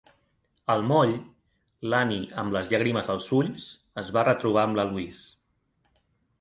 Al moll, l'Annie amb les llàgrimes als ulls, es va retrobar amb la Louise.